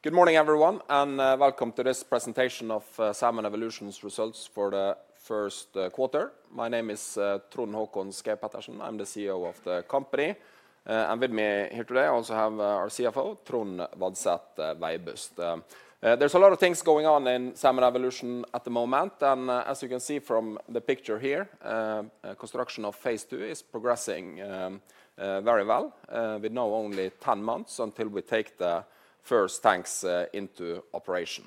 Good morning, everyone, and welcome to this presentation of Salmon Evolution's results for the first quarter. My name is Trond Håkon Schaug-Pettersen. I'm the CEO of the company. With me here today, I also have our CFO, Trond Vadset Veibust. There is a lot of things going on in Salmon Evolution at the moment, and as you can see from the picture here, construction of phase II is progressing very well. We know only 10 months until we take the first tanks into operation.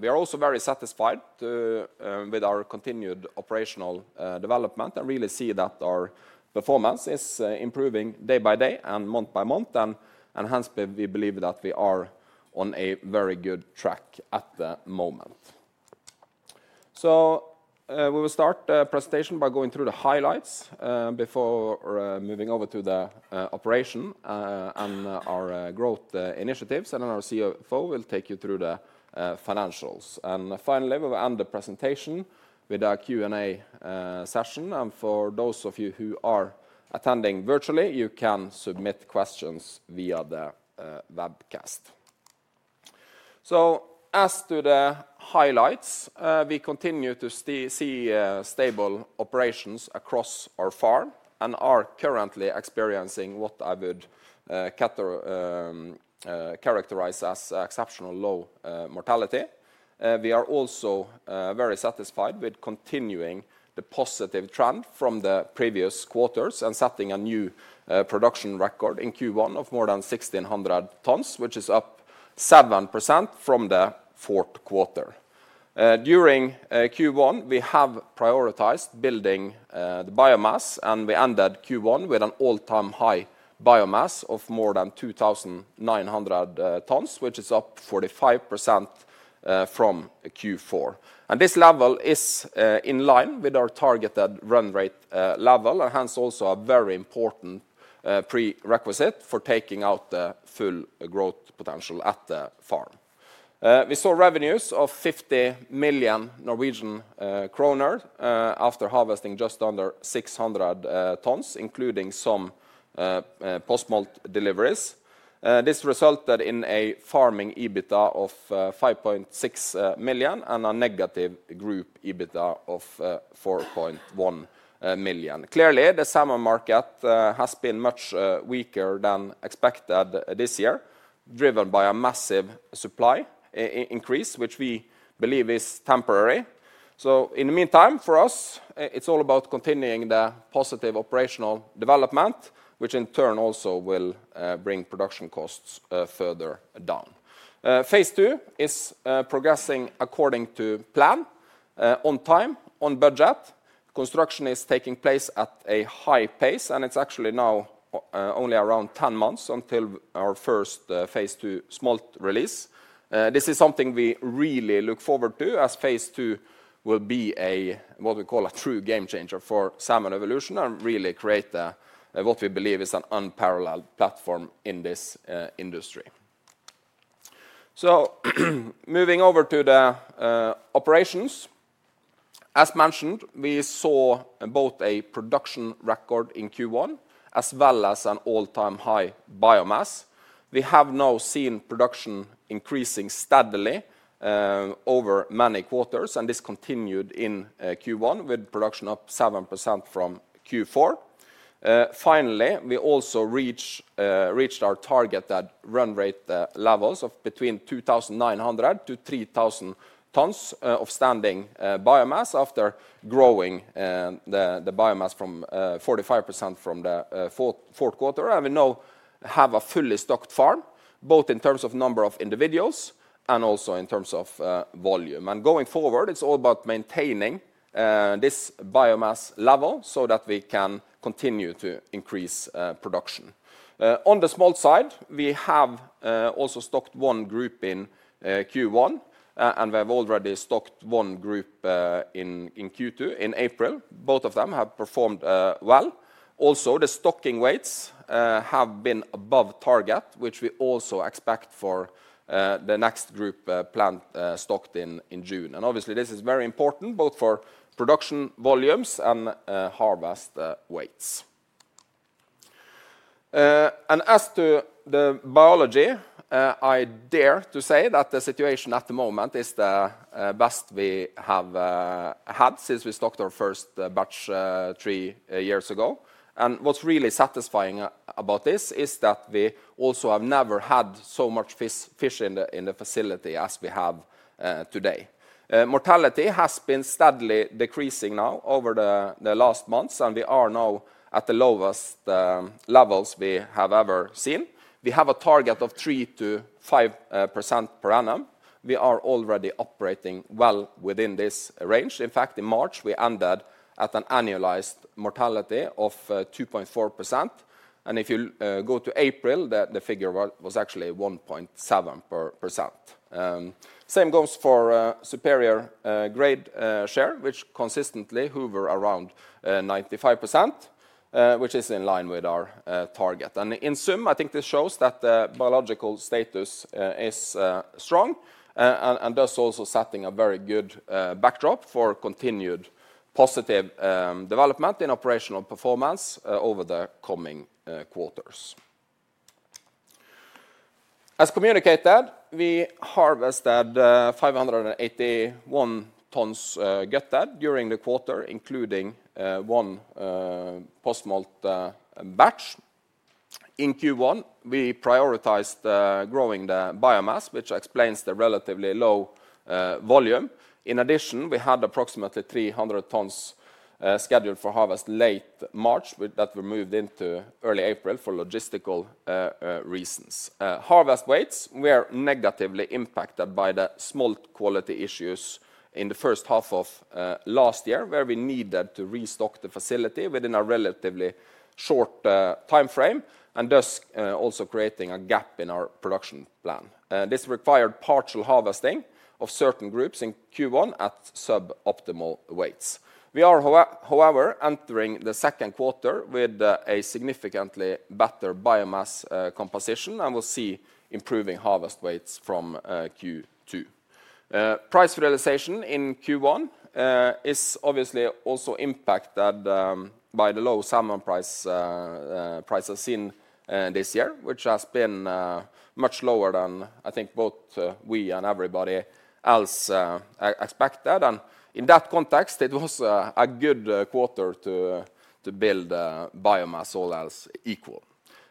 We are also very satisfied with our continued operational development and really see that our performance is improving day by day and month by month, and hence we believe that we are on a very good track at the moment. We will start the presentation by going through the highlights before moving over to the operation and our growth initiatives, and then our CFO will take you through the financials. Finally, we will end the presentation with a Q&A session, and for those of you who are attending virtually, you can submit questions via the webcast. As to the highlights, we continue to see stable operations across our farm and are currently experiencing what I would characterize as exceptional low mortality. We are also very satisfied with continuing the positive trend from the previous quarters and setting a new production record in Q1 of more than 1,600 tons, which is up 7% from the fourth quarter. During Q1, we have prioritized building the biomass, and we ended Q1 with an all-time high biomass of more than 2,900 tons, which is up 45% from Q4. This level is in line with our targeted run rate level and hence also a very important prerequisite for taking out the full growth potential at the farm. We saw revenues of 50 million Norwegian kroner after harvesting just under 600 tons, including some post-smolt deliveries. This resulted in a farming EBITDA of 5.6 million and a negative group EBITDA of 4.1 million. Clearly, the Salmon market has been much weaker than expected this year, driven by a massive supply increase, which we believe is temporary. In the meantime, for us, it is all about continuing the positive operational development, which in turn also will bring production costs further down. Phase II is progressing according to plan, on time, on budget. Construction is taking place at a high pace, and it is actually now only around 10 months until our first phase II smolt release. This is something we really look forward to, as phase II will be what we call a true game changer for Salmon Evolution and really create what we believe is an unparalleled platform in this industry. Moving over to the operations, as mentioned, we saw both a production record in Q1 as well as an all-time high biomass. We have now seen production increasing steadily over many quarters, and this continued in Q1 with production up 7% from Q4. Finally, we also reached our targeted run rate levels of between 2,900 tons -3,000 tons of standing biomass after growing the biomass 45% from the fourth quarter. We now have a fully stocked farm, both in terms of number of individuals and also in terms of volume. Going forward, it's all about maintaining this biomass level so that we can continue to increase production. On the smolt side, we have also stocked one group in Q1, and we have already stocked one group in Q2 in April. Both of them have performed well. Also, the stocking weights have been above target, which we also expect for the next group planned stocked in June. Obviously, this is very important both for production volumes and harvest weights. As to the biology, I dare to say that the situation at the moment is the best we have had since we stocked our first batch three years ago. What is really satisfying about this is that we also have never had so much fish in the facility as we have today. Mortality has been steadily decreasing now over the last months, and we are now at the lowest levels we have ever seen. We have a target of 3%-5% per annum. We are already operating well within this range. In fact, in March, we ended at an annualized mortality of 2.4%. If you go to April, the figure was actually 1.7%. Same goes for superior grade share, which consistently hover around 95%, which is in line with our target. In sum, I think this shows that the biological status is strong and thus also setting a very good backdrop for continued positive development in operational performance over the coming quarters. As communicated, we harvested 581 tons gutted during the quarter, including one post-smolt batch. In Q1, we prioritized growing the biomass, which explains the relatively low volume. In addition, we had approximately 300 tons scheduled for harvest late March, but that were moved into early April for logistical reasons. Harvest weights were negatively impacted by the smolt quality issues in the first half of last year, where we needed to restock the facility within a relatively short timeframe, and thus also creating a gap in our production plan. This required partial harvesting of certain groups in Q1 at suboptimal weights. We are, however, entering the second quarter with a significantly better biomass composition and will see improving harvest weights from Q2. Price realization in Q1 is obviously also impacted by the low Salmon prices seen this year, which has been much lower than I think both we and everybody else expected. In that context, it was a good quarter to build biomass all else equal.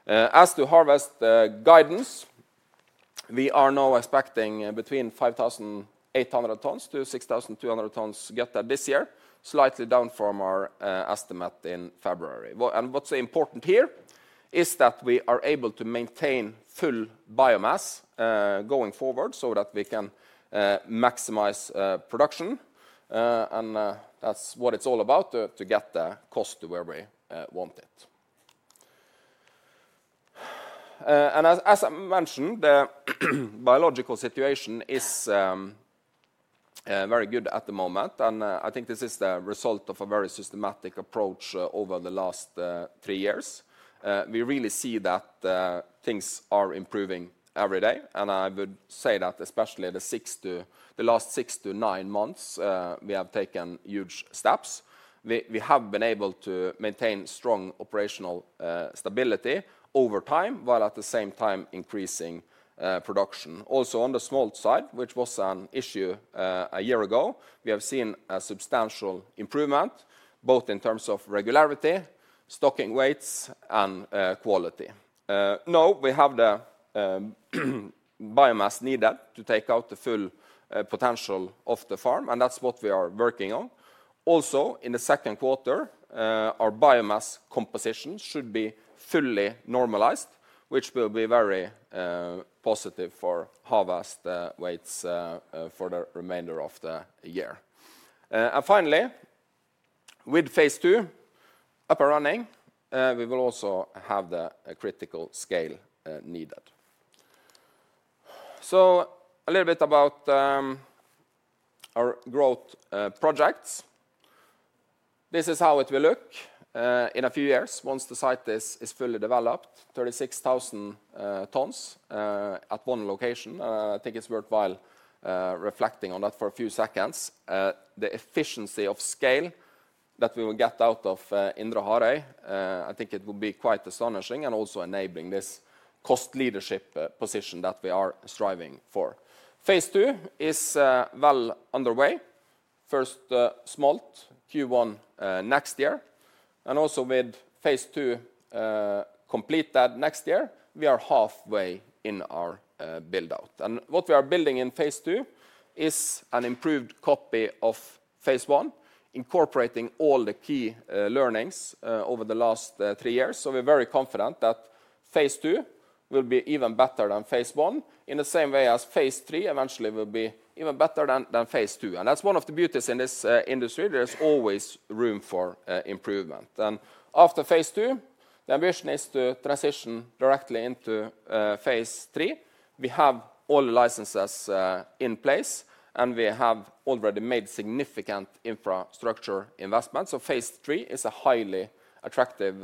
As to harvest guidance, we are now expecting between 5,800 tons-6,200 tons gutted this year, slightly down from our estimate in February. What's important here is that we are able to maintain full biomass going forward so that we can maximize production. That's what it's all about to get the cost to where we want it. As I mentioned, the biological situation is very good at the moment, and I think this is the result of a very systematic approach over the last three years. We really see that things are improving every day, and I would say that especially the last six to nine months, we have taken huge steps. We have been able to maintain strong operational stability over time while at the same time increasing production. Also on the smolt side, which was an issue a year ago, we have seen a substantial improvement both in terms of regularity, stocking weights, and quality. Now we have the biomass needed to take out the full potential of the farm, and that's what we are working on. Also, in the second quarter, our biomass composition should be fully normalized, which will be very positive for harvest weights for the remainder of the year. Finally, with phase II up and running, we will also have the critical scale needed. A little bit about our growth projects. This is how it will look in a few years once the site is fully developed: 36,000 tons at one location. I think it's worthwhile reflecting on that for a few seconds. The efficiency of scale that we will get out of Indre Harøy, I think it will be quite astonishing and also enabling this cost leadership position that we are striving for. Phase II is well underway. First smolt, Q1 next year. Also, with phase II completed next year, we are halfway in our build-out. What we are building in phase II is an improved copy of phase I, incorporating all the key learnings over the last three years. We are very confident that phase II will be even better than phase I in the same way as phase III eventually will be even better than phase II. That is one of the beauties in this industry. There is always room for improvement. After phase II, the ambition is to transition directly into phase III. We have all the licenses in place, and we have already made significant infrastructure investments. Phase III is a highly attractive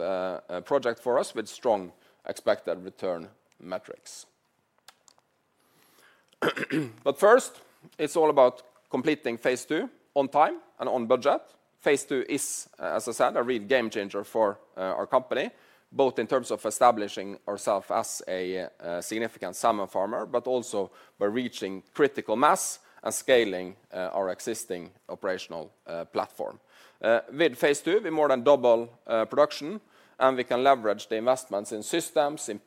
project for us with strong expected return metrics. First, it is all about completing phase II on time and on budget. Phase II is, as I said, a real game changer for our company, both in terms of establishing ourself as a significant salmon farmer, but also by reaching critical mass and scaling our existing operational platform. With phase II, we more than double production, and we can leverage the investments in systems, in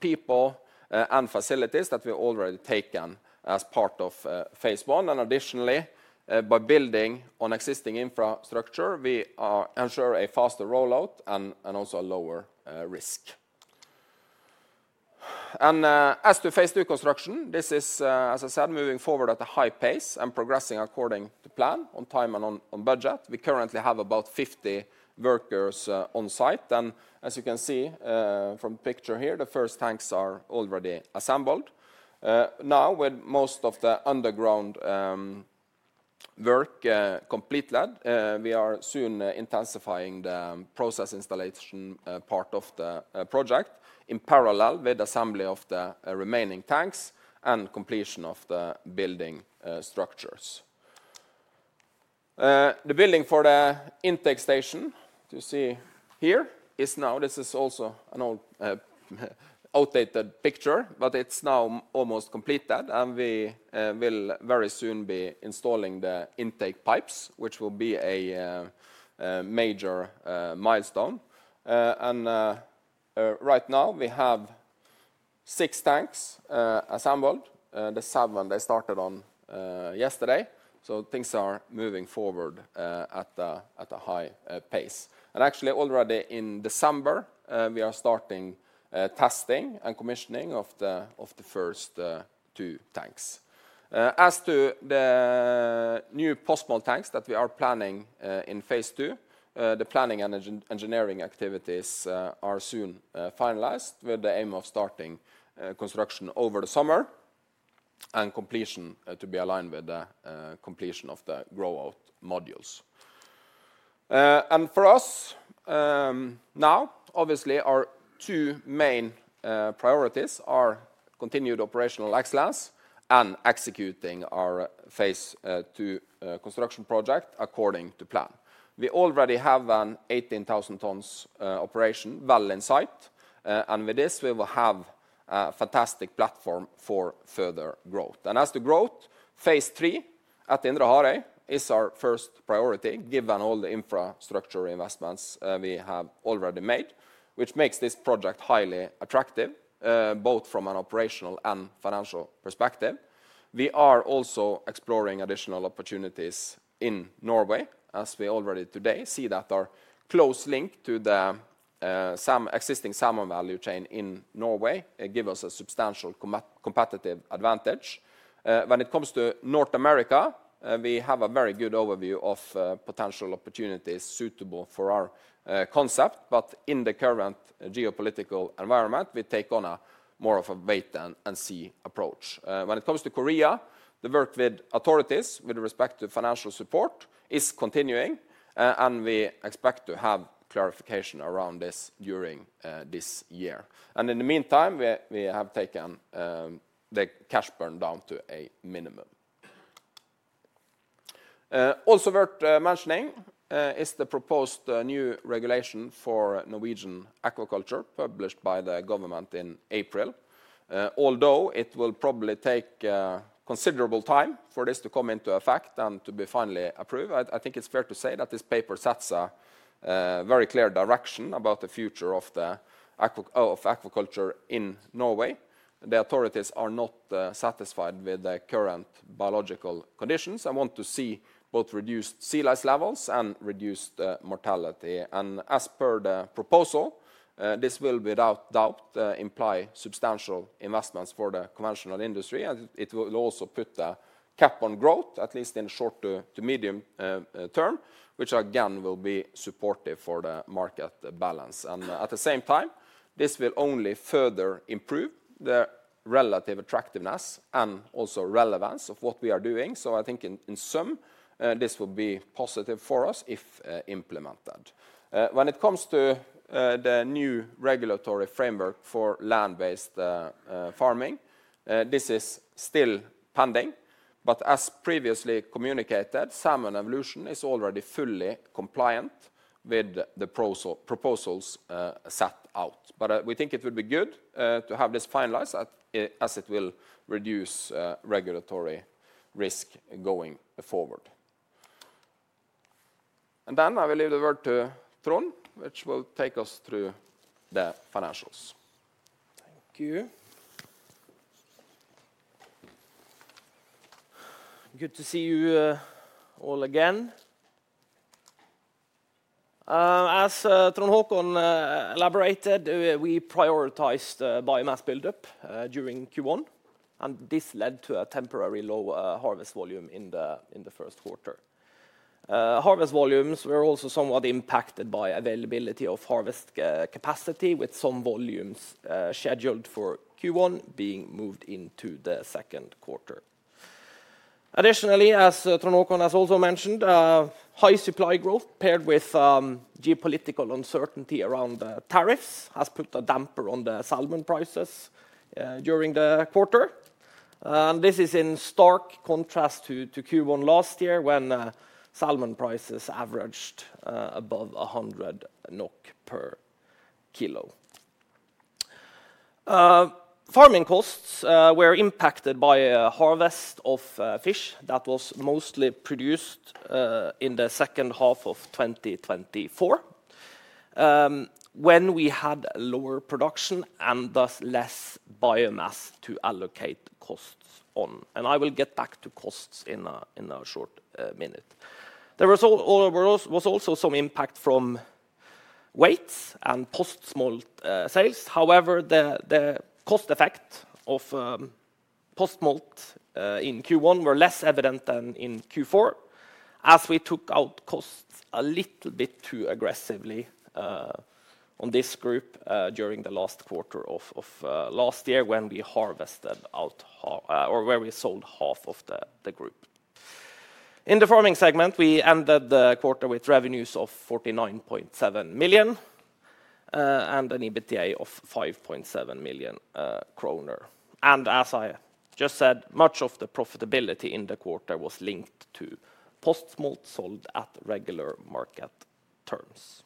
people, and facilities that we've already taken as part of phase I. Additionally, by building on existing infrastructure, we ensure a faster rollout and also a lower risk. As to phase II construction, this is, as I said, moving forward at a high pace and progressing according to plan on time and on budget. We currently have about 50 workers on site. As you can see from the picture here, the first tanks are already assembled. Now, with most of the underground work completed, we are soon intensifying the process installation part of the project in parallel with the assembly of the remaining tanks and completion of the building structures. The building for the intake station you see here is now, this is also an old outdated picture, but it's now almost completed, and we will very soon be installing the intake pipes, which will be a major milestone. Right now, we have six tanks assembled. The seventh, they started on yesterday. Things are moving forward at a high pace. Actually, already in December, we are starting testing and commissioning of the first two tanks. As to the new post-smolt tanks that we are planning in phase II, the planning and engineering activities are soon finalized with the aim of starting construction over the summer and completion to be aligned with the completion of the grow-out modules. For us now, obviously, our two main priorities are continued operational excellence and executing our phase II construction project according to plan. We already have an 18,000 tons operation well in sight. With this, we will have a fantastic platform for further growth. As to growth, phase III at Indre Harøy is our first priority given all the infrastructure investments we have already made, which makes this project highly attractive both from an operational and financial perspective. We are also exploring additional opportunities in Norway, as we already today see that our close link to the existing salmon value chain in Norway gives us a substantial competitive advantage. When it comes to North America, we have a very good overview of potential opportunities suitable for our concept, but in the current geopolitical environment, we take on more of a wait-and-see approach. When it comes to Korea, the work with authorities with respect to financial support is continuing, and we expect to have clarification around this during this year. In the meantime, we have taken the cash burn down to a minimum. Also worth mentioning is the proposed new regulation for Norwegian aquaculture published by the government in April. Although it will probably take considerable time for this to come into effect and to be finally approved, I think it's fair to say that this paper sets a very clear direction about the future of aquaculture in Norway. The authorities are not satisfied with the current biological conditions and want to see both reduced sea lice levels and reduced mortality. As per the proposal, this will without doubt imply substantial investments for the conventional industry. It will also put a cap on growth, at least in the short to medium term, which again will be supportive for the market balance. At the same time, this will only further improve the relative attractiveness and also relevance of what we are doing. I think in sum, this will be positive for us if implemented. When it comes to the new regulatory framework for land-based farming, this is still pending. As previously communicated, Salmon Evolution is already fully compliant with the proposals set out. We think it would be good to have this finalized as it will reduce regulatory risk going forward. I will leave the word to Trond, who will take us through the financials. Thank you. Good to see you all again. As Trond Håkon elaborated, we prioritized biomass build-up during Q1, and this led to a temporary low harvest volume in the first quarter. Harvest volumes were also somewhat impacted by availability of harvest capacity, with some volumes scheduled for Q1 being moved into the second quarter. Additionally, as Trond Håkon has also mentioned, high supply growth paired with geopolitical uncertainty around tariffs has put a damper on the salmon prices during the quarter. This is in stock contrast to Q1 last year when salmon prices averaged above 100 NOK per kg. Farming costs were impacted by a harvest of fish that was mostly produced in the second half of 2024 when we had lower production and thus less biomass to allocate costs on. I will get back to costs in a short minute. There was also some impact from weights and post-smolt sales. However, the cost effect of post-smolt in Q1 was less evident than in Q4 as we took out costs a little bit too aggressively on this group during the last quarter of last year when we harvested out or when we sold half of the group. In the farming segment, we ended the quarter with revenues of 49.7 million and an EBITDA of 5.7 million kroner. As I just said, much of the profitability in the quarter was linked to post-smolt sold at regular market terms.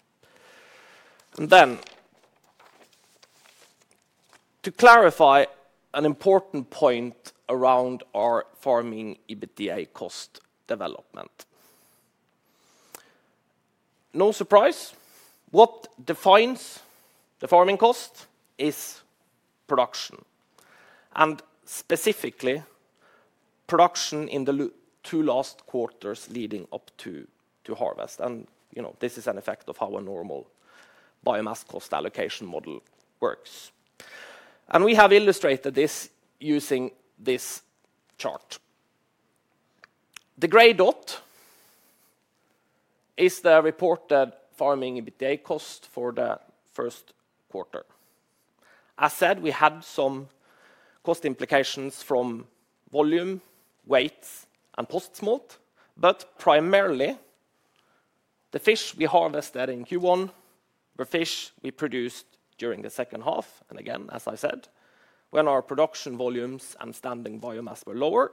To clarify an important point around our farming EBITDA cost development, no surprise, what defines the farming cost is production. Specifically, production in the two last quarters leading up to harvest. This is an effect of how a normal biomass cost allocation model works. We have illustrated this using this chart. The gray dot is the reported farming EBITDA cost for the first quarter. As said, we had some cost implications from volume, weights, and post-smolt, but primarily the fish we harvested in Q1 were fish we produced during the second half. Again, as I said, when our production volumes and standing biomass were lower.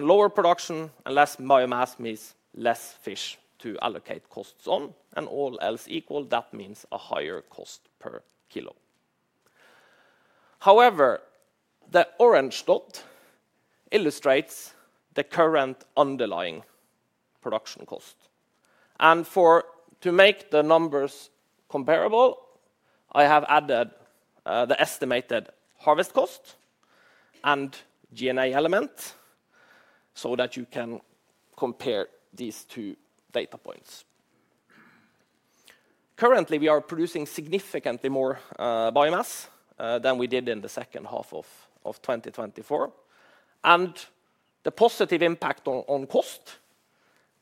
Lower production and less biomass means less fish to allocate costs on. All else equal, that means a higher cost per kg. However, the orange dot illustrates the current underlying production cost. To make the numbers comparable, I have added the estimated harvest cost and GNA element so that you can compare these two data points. Currently, we are producing significantly more biomass than we did in the second half of 2024. The positive impact on cost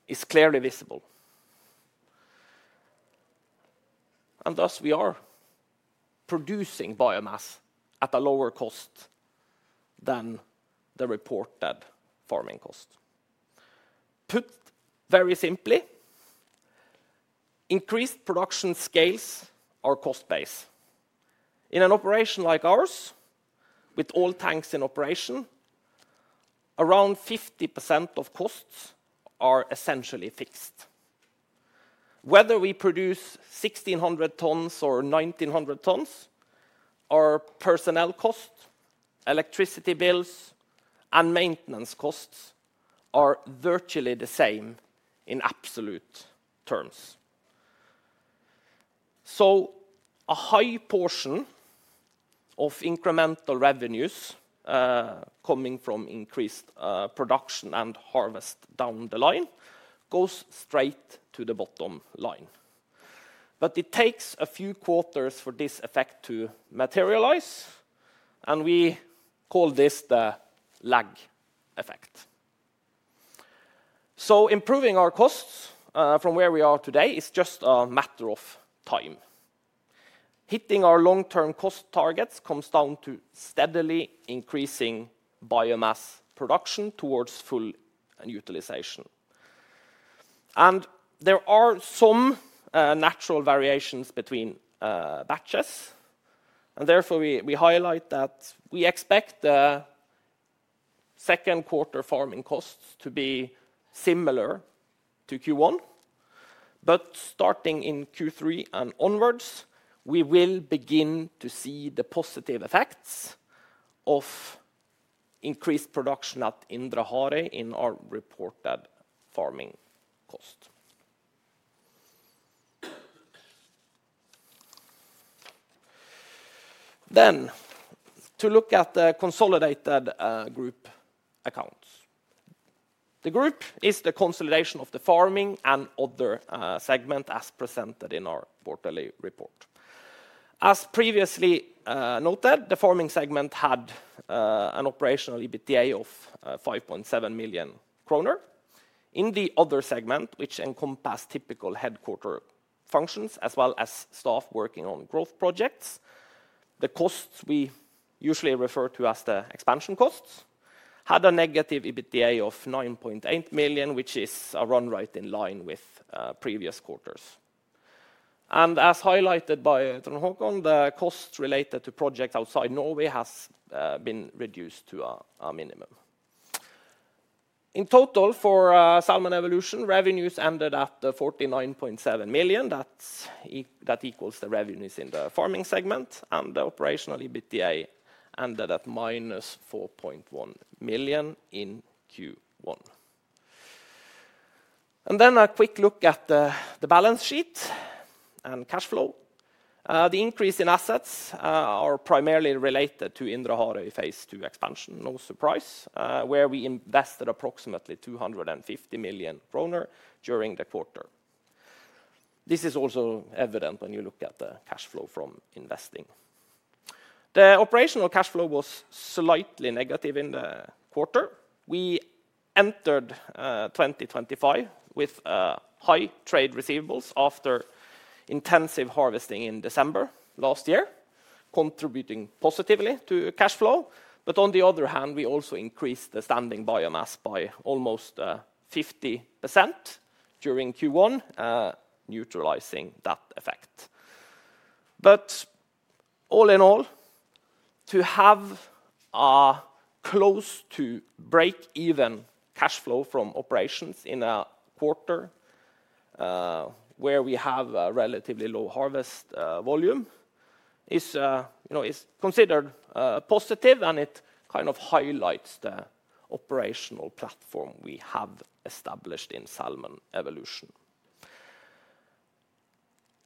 is clearly visible. Thus, we are producing biomass at a lower cost than the reported farming cost. Put very simply, increased production scales are cost-based. In an operation like ours, with all tanks in operation, around 50% of costs are essentially fixed. Whether we produce 1,600 tons or 1,900 tons, our personnel costs, electricity bills, and maintenance costs are virtually the same in absolute terms. A high portion of incremental revenues coming from increased production and harvest down the line goes straight to the bottom line. It takes a few quarters for this effect to materialize, and we call this the lag effect. Improving our costs from where we are today is just a matter of time. Hitting our long-term cost targets comes down to steadily increasing biomass production towards full utilization. There are some natural variations between batches. We highlight that we expect the second quarter farming costs to be similar to Q1. Starting in Q3 and onwards, we will begin to see the positive effects of increased production at Indre Harøy in our reported farming cost. To look at the consolidated group accounts, the group is the consolidation of the farming and other segment as presented in our quarterly report. As previously noted, the farming segment had an operational EBITDA of 5.7 million kroner. In the other segment, which encompassed typical headquarter functions as well as staff working on growth projects, the costs we usually refer to as the expansion costs had a negative EBITDA of 9.8 million, which is a run right in line with previous quarters. As highlighted by Trond Håkon, the costs related to projects outside Norway have been reduced to a minimum. In total, for Salmon Evolution, revenues ended at 49.7 million. That equals the revenues in the farming segment, and the operational EBITDA ended at minus 4.1 million in Q1. A quick look at the balance sheet and cash flow. The increase in assets is primarily related to Indre Harøy phase II expansion, no surprise, where we invested approximately 250 million kroner during the quarter. This is also evident when you look at the cash flow from investing. The operational cash flow was slightly negative in the quarter. We entered 2025 with high trade receivables after intensive harvesting in December last year, contributing positively to cash flow. On the other hand, we also increased the standing biomass by almost 50% during Q1, neutralizing that effect. All in all, to have a close to break-even cash flow from operations in a quarter where we have a relatively low harvest volume is considered positive, and it kind of highlights the operational platform we have established in Salmon Evolution.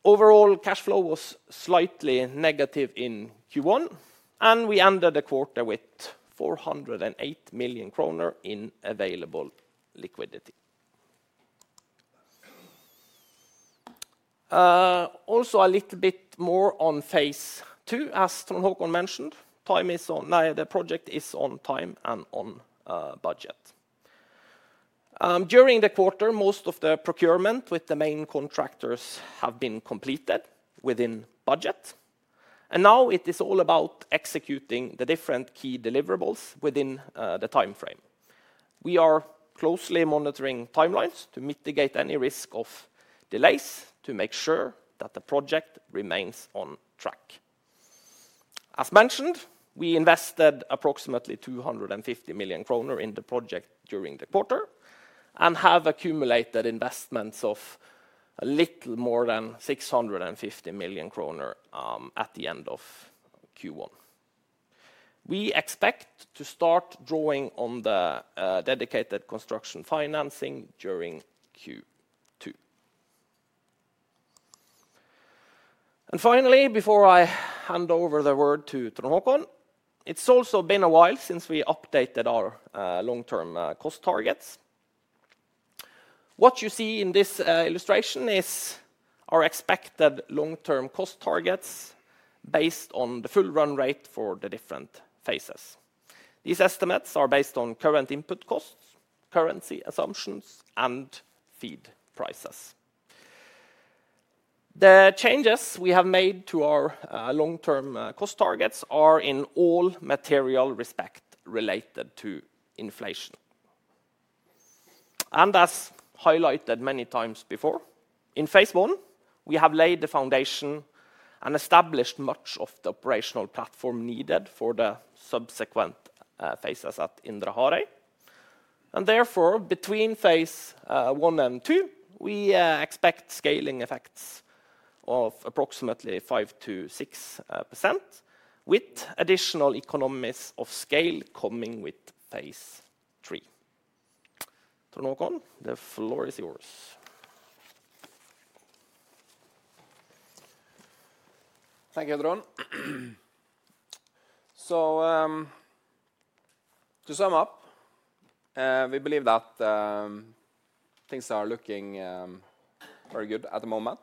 Overall, cash flow was slightly negative in Q1, and we ended the quarter with 408 million kroner in available liquidity. Also, a little bit more on phase II, as Trond Håkon mentioned. The project is on time and on budget. During the quarter, most of the procurement with the main contractors has been completed within budget. It is now all about executing the different key deliverables within the timeframe. We are closely monitoring timelines to mitigate any risk of delays to make sure that the project remains on track. As mentioned, we invested approximately 250 million kroner in the project during the quarter and have accumulated investments of a little more than 650 million kroner at the end of Q1. We expect to start drawing on the dedicated construction financing during Q2. Finally, before I hand over the word to Trond Håkon, it's also been a while since we updated our long-term cost targets. What you see in this illustration is our expected long-term cost targets based on the full run rate for the different phases. These estimates are based on current input costs, currency assumptions, and feed prices. The changes we have made to our long-term cost targets are in all material respect related to inflation. As highlighted many times before, in phase I, we have laid the foundation and established much of the operational platform needed for the subsequent phases at Indre Harøy. Therefore, between phase I and II, we expect scaling effects of approximately 5%-6% with additional economies of scale coming with phase III. Trond Håkon, the floor is yours. Thank you, Trond. To sum up, we believe that things are looking very good at the moment.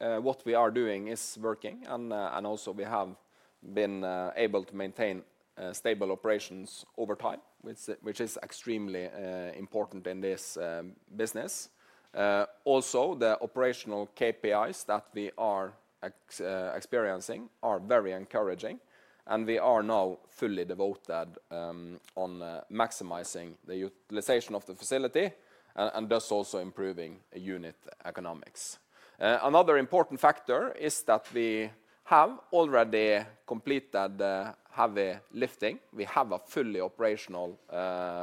What we are doing is working, and also we have been able to maintain stable operations over time, which is extremely important in this business. Also, the operational KPIs that we are experiencing are very encouraging, and we are now fully devoted to maximizing the utilization of the facility and thus also improving unit economics. Another important factor is that we have already completed heavy lifting. We have a fully operational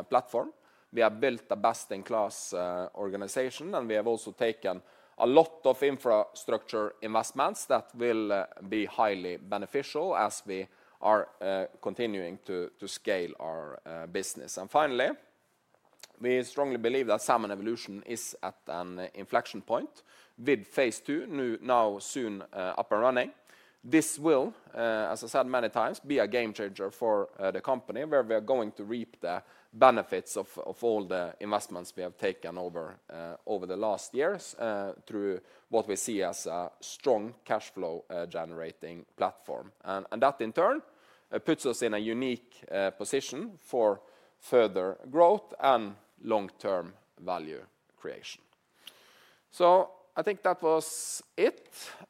platform. We have built the best-in-class organization, and we have also taken a lot of infrastructure investments that will be highly beneficial as we are continuing to scale our business. Finally, we strongly believe that Salmon Evolution is at an inflection point with phase II, now soon up and running. This will, as I said many times, be a game changer for the company where we are going to reap the benefits of all the investments we have taken over the last years through what we see as a strong cash flow generating platform. That in turn puts us in a unique position for further growth and long-term value creation. I think that was it.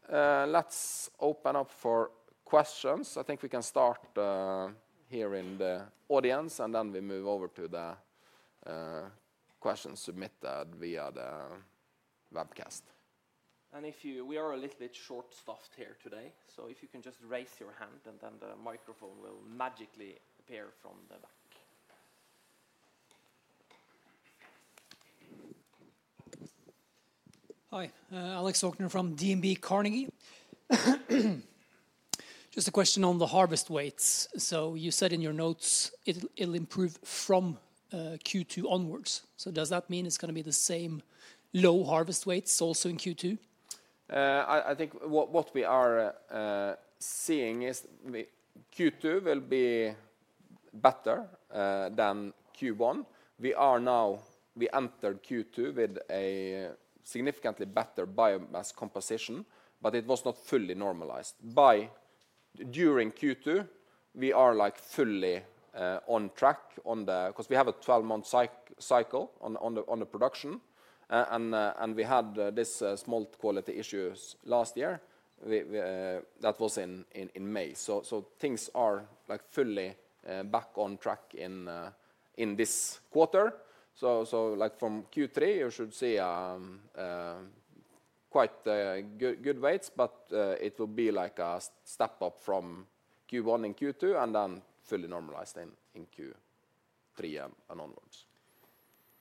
Let's open up for questions. I think we can start here in the audience, and then we move over to the questions submitted via the webcast. If you—we are a little bit short-staffed here today. If you can just raise your hand, then the microphone will magically appear from the back. Hi, Alex Håkon from DNB Carnegie. Just a question on the harvest weights. You said in your notes it'll improve from Q2 onwards. Does that mean it's going to be the same low harvest weights also in Q2? I think what we are seeing is Q2 will be better than Q1. We are now—we entered Q2 with a significantly better biomass composition, but it was not fully normalized. During Q2, we are like fully on track on the—because we have a 12-month cycle on the production, and we had this small quality issue last year. That was in May. Things are like fully back on track in this quarter. From Q3, you should see quite good weights, but it will be like a step up from Q1 in Q2 and then fully normalized in Q3 and onwards.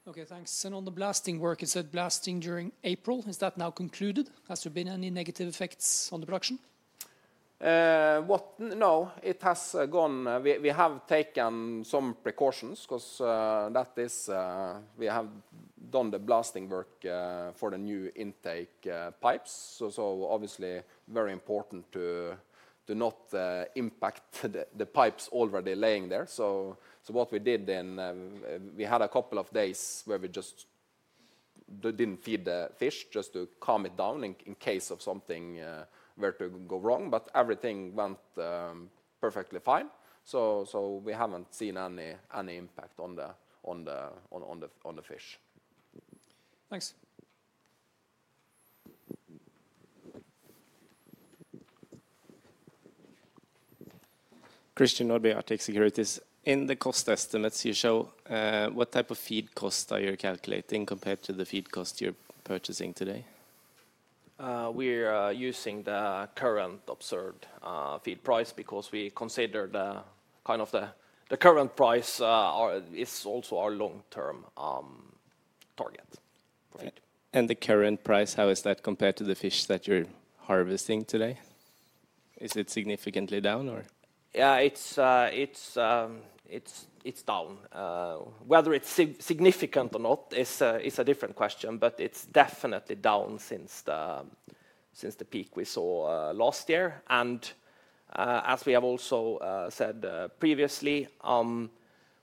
Okay, thanks. On the blasting work, you said blasting during April. Is that now concluded? Has there been any negative effects on the production? No, it has gone. We have taken some precautions because that is—we have done the blasting work for the new intake pipes. Obviously, very important to not impact the pipes already laying there. What we did in—we had a couple of days where we just didn't feed the fish just to calm it down in case something were to go wrong. Everything went perfectly fine. We haven't seen any impact on the fish. Thanks. Christian Olsen Nordby, Arctic Securities. In the cost estimates, you show what type of feed costs are you calculating compared to the feed costs you're purchasing today? We're using the current observed feed price because we consider the kind of the current price is also our long-term target. The current price, how is that compared to the fish that you're harvesting today? Is it significantly down or? Yeah, it's down. Whether it's significant or not is a different question, but it's definitely down since the peak we saw last year. As we have also said previously,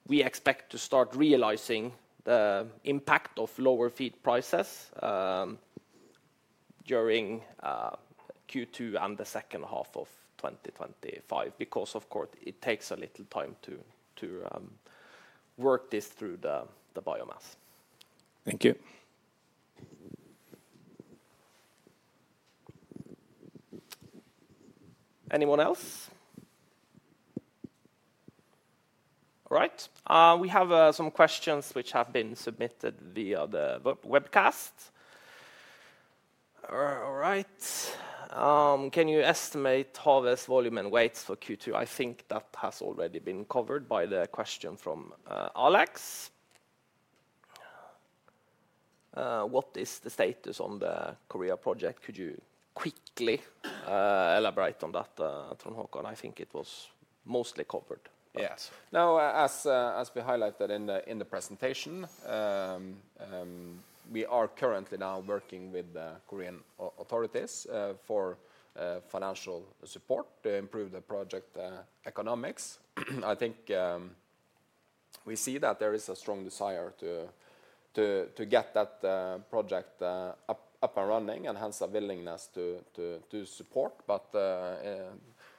we expect to start realizing the impact of lower feed prices during Q2 and the second half of 2025 because, of course, it takes a little time to work this through the biomass. Thank you. Anyone else? All right. We have some questions which have been submitted via the webcast. All right. Can you estimate harvest volume and weights for Q2? I think that has already been covered by the question from Alex. What is the status on the Korea project? Could you quickly elaborate on that, Trond Håkon? I think it was mostly covered. Yes. Now, as we highlighted in the presentation, we are currently now working with the Korean authorities for financial support to improve the project economics. I think we see that there is a strong desire to get that project up and running and hence a willingness to support.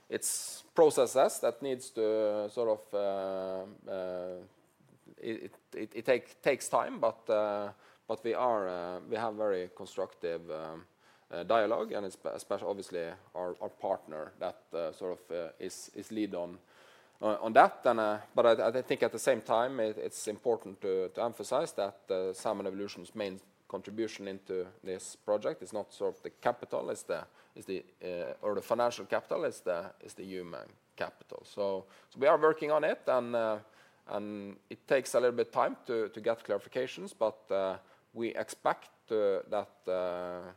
It is processes that need to sort of—it takes time, but we have very constructive dialogue, and it is especially, obviously, our partner that sort of is lead on that. I think at the same time, it is important to emphasize that Salmon Evolution's main contribution into this project is not sort of the capital, or the financial capital; it is the human capital. We are working on it, and it takes a little bit of time to get clarifications, but we expect that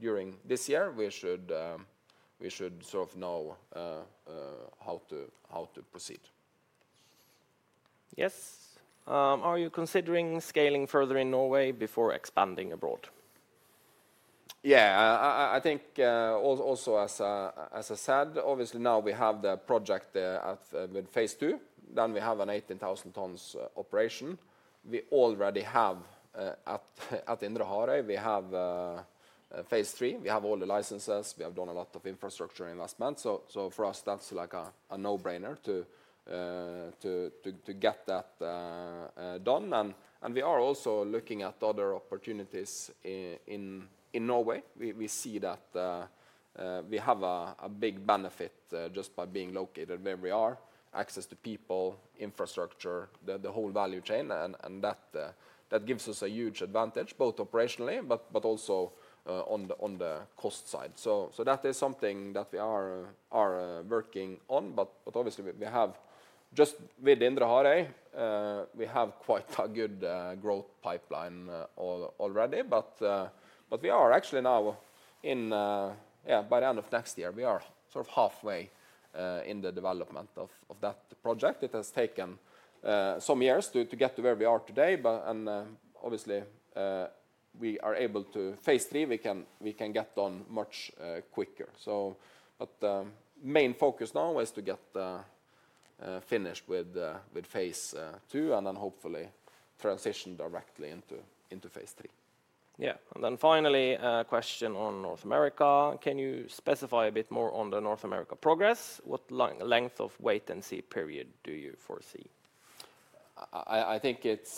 during this year, we should sort of know how to proceed. Yes. Are you considering scaling further in Norway before expanding abroad? Yeah, I think also as I said, obviously now we have the project with phase II. We have an 18,000 tons operation. We already have at Indre Harøy, we have phase III. We have all the licenses. We have done a lot of infrastructure investments. For us, that's like a no-brainer to get that done. We are also looking at other opportunities in Norway. We see that we have a big benefit just by being located where we are: access to people, infrastructure, the whole value chain. That gives us a huge advantage, both operationally, but also on the cost side. That is something that we are working on. Obviously, just with Indre Harøy, we have quite a good growth pipeline already. We are actually now in, yeah, by the end of next year, we are sort of halfway in the development of that project. It has taken some years to get to where we are today. Obviously, if we are able to phase III, we can get on much quicker. The main focus now is to get finished with phase II and then hopefully transition directly into phase III. Yeah. Finally, a question on North America. Can you specify a bit more on the North America progress? What length of wait-and-see period do you foresee? I think it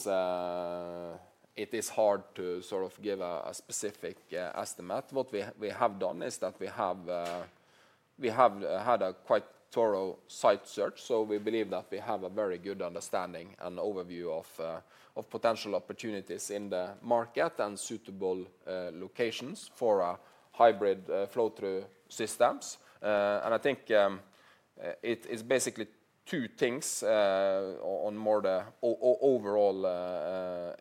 is hard to sort of give a specific estimate. What we have done is that we have had a quite thorough site search. We believe that we have a very good understanding and overview of potential opportunities in the market and suitable locations for hybrid flow-through systems. I think it is basically two things on more the overall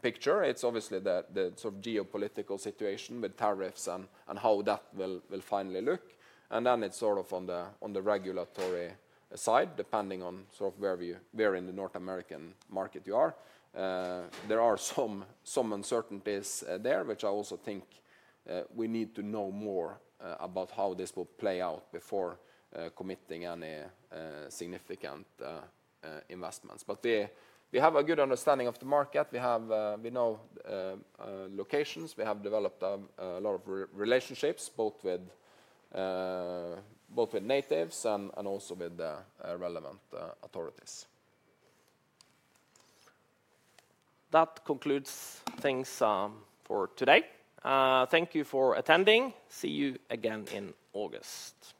picture. It is obviously the sort of geopolitical situation with tariffs and how that will finally look. It is sort of on the regulatory side, depending on sort of where in the North American market you are. There are some uncertainties there, which I also think we need to know more about how this will play out before committing any significant investments. We have a good understanding of the market. We know locations. We have developed a lot of relationships both with natives and also with the relevant authorities. That concludes things for today. Thank you for attending. See you again in August.